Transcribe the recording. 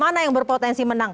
mana yang berpotensi menang